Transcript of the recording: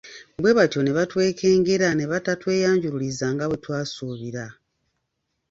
Bwe batyo ne batwekengera ne batatweyanjuliriza nga bwe twasuubira.